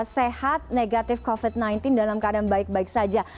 sehat negatif covid sembilan belas dalam keadaan baik baik saja